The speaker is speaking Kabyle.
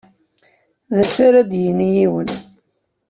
D acu ara d-yini yiwen?